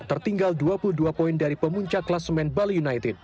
tertinggal dua puluh dua poin dari pemuncak kelas semen bali united